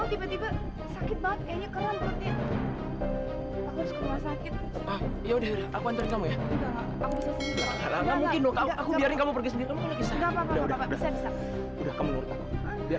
tiba tiba sakit banget kayaknya keranjutnya